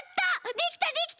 できたできた！